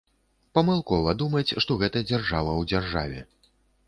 Памылкова думаць, што гэта дзяржава ў дзяржаве.